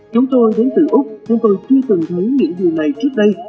chúng tôi đến từ úc nên tôi chưa từng thấy những điều này trước đây